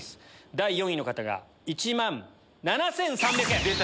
第４位の方が１万７３００円。